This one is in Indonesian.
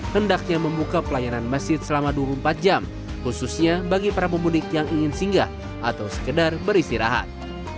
hendaknya membuka pelayanan masjid selama dua puluh empat jam khususnya bagi para pemudik yang ingin singgah atau sekedar beristirahat